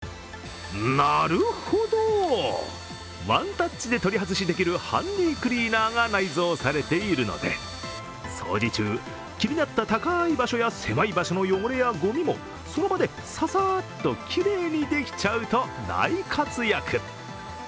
ワンタッチで取り外しできるハンディクリーナーが内蔵されているので、掃除中、気になった高い場所や狭い場所の汚れやゴミもその場でささーっときれいにできちゃうと大活躍。